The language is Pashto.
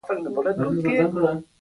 دین از دیدګاه شاطبي کتاب ته مراجعه وکړئ.